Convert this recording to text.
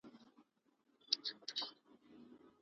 خلک اوس نړیوالو خبرونو، فلمونو او کورسونو ته لاسرسی لري.